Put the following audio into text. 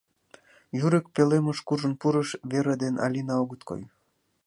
Юрик пӧлемыш куржын пурыш, Вера ден Алина огыт кой.